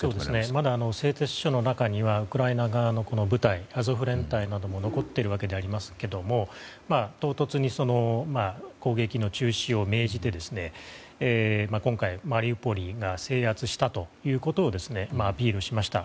まだ製鉄所の中にはウクライナ側の部隊アゾフ連隊などが残っているわけですが唐突に攻撃の中止を命じて今回、マリウポリを制圧したということをアピールしました。